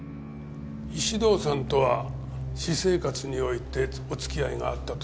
石堂さんとは私生活においてお付き合いがあったというのは。